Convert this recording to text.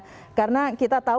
ya karena kita tahu